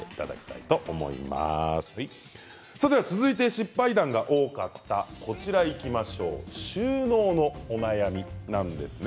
続いて失敗談が多かった収納のお悩みなんですね。